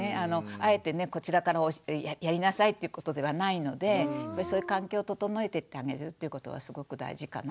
あえてねこちらからやりなさいっていうことではないのでそういう環境を整えていってあげることはすごく大事かなっていうふうに思います。